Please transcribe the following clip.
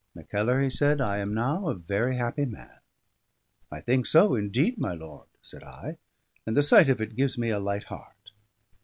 "Mackellar," he said, "I am now a very happy man." "I think so indeed, my lord," said I, "and the sight of it gives me a light heart."